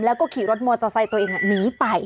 แล้วก็ขี่รถมอเตอร์ไซค์ตัวเองหนีไป